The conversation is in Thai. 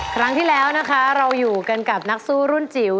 ครั้งที่แล้วนะคะเราอยู่กันกับนักสู้รุ่นจิ๋ว